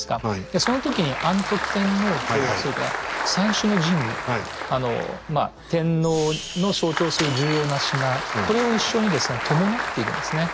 でその時に安徳天皇とそれから三種の神器天皇の象徴する重要な品これを一緒に伴っていくんですね。